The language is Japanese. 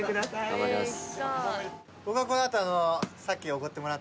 頑張ります。